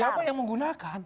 siapa yang menggunakan